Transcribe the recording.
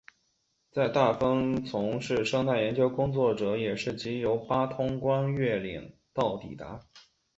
在大分从事生态研究的工作者也是藉由八通关越岭道抵达。